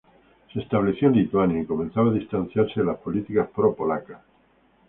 Se estableció en Lituania y comenzó a distanciarse de las políticas pro-polacas.